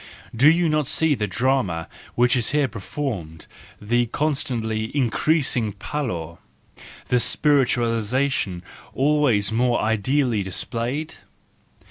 Do you not see the drama which is here performed, the constantly increasing pallor —, the spiritualisation always more ideally displayed?